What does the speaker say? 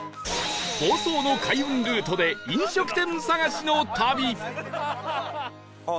房総の開運ルートで飲食店探しの旅